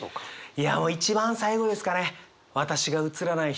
いや一番最後ですかね。